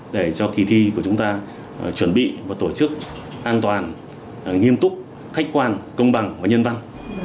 để cho kỳ thi của chúng ta chuẩn bị và tổ chức an toàn nghiêm túc khách quan công bằng và nhân văn